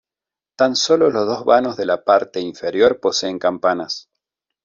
Tan solo los dos vanos de la parte inferior poseen campanas.